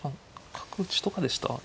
角打ちとかでした？